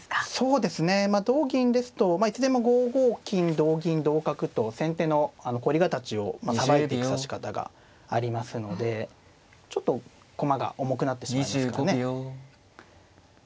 同銀ですといつでも５五金同銀同角と先手の凝り形をさばいていく指し方がありますのでちょっと駒が重くなってしまいますからね。